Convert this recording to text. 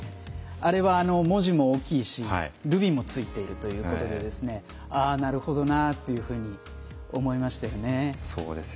あれは文字も大きいしルビもついてるということでなるほどなというふうに思いましたよね。